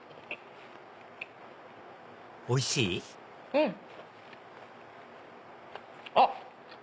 うん！あっ！